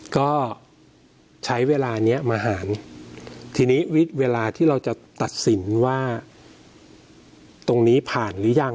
ก็ใช้เวลาเนี้ยมาหารทีนี้เวลาที่เราจะตัดสินว่าตรงนี้ผ่านหรือยัง